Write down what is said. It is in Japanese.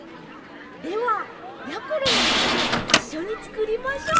ではやころのうちでいっしょにつくりましょう。